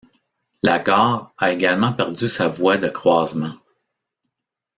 La gare a également perdu sa voie de croisement.